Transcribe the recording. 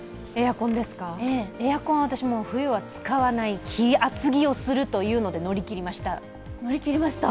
エアコン、私は冬は使わない、厚着をするというので乗り切りました。